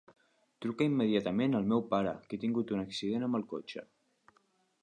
Truca immediatament al meu pare, que he tingut un accident amb el cotxe.